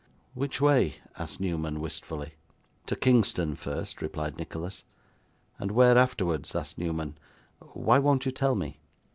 'Which way?' asked Newman, wistfully. 'To Kingston first,' replied Nicholas. 'And where afterwards?' asked Newman. 'Why won't you tell me?